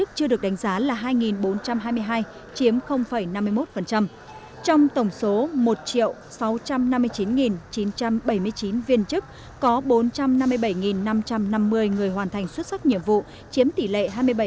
trong tổng số một sáu trăm năm mươi chín chín trăm bảy mươi chín viên chức có bốn trăm năm mươi bảy năm trăm năm mươi người hoàn thành xuất sắc nhiệm vụ chiếm tỷ lệ hai mươi bảy